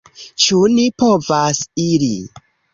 Ĉu ni povas iri?